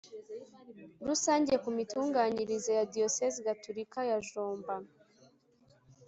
Rusange ku mitunganyirize ya Diyosezi Gatolika ya jomba